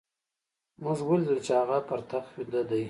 موږ وليدل چې هغه پر تخت ويده دی.